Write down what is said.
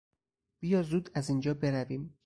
بیا زود از اینجا برویم.